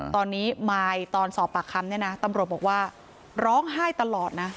ตอนนี้มายตอนสอบปากคำเนี่ยนะตำรวจบอกว่าร้องไห้ตลอดนะ